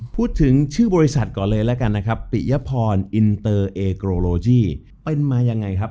พูดถึงชื่อบริษัทก่อนเลยแล้วกันนะครับปิยพรอินเตอร์เอโกโลจี้เป็นมายังไงครับ